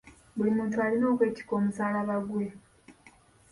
Buli muntu alina okwetikka omusaalaba gwe.